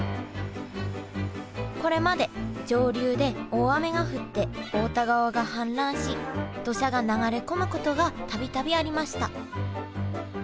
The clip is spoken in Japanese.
これまで上流で大雨が降って太田川が氾濫し土砂が流れ込むことが度々ありました。